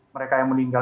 mereka yang meninggal